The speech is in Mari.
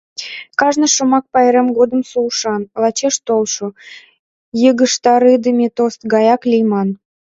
Кажне шомак пайрем годымсо ушан, лачеш толшо, йыгыжтарыдыме тост гаяк лийман.